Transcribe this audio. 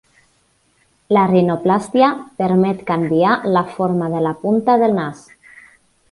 La rinoplàstia permet caviar la forma de la punta del nas.